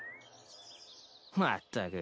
まったく。